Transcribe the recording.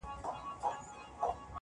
قاسم یاره ته په رنګ د زمانې سه,